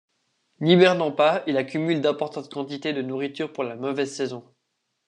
N'hibernant pas, il accumule d'importantes quantités de nourriture pour la mauvaise saison.